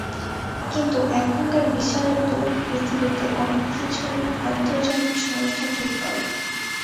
কিন্তু এখনকার বিশ্বায়িত পৃথিবীতে অনেক কিছুই আন্তর্জাতিক সংস্থা ঠিক করে।